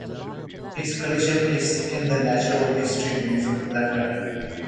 His collection is in the Natural History Museum, London.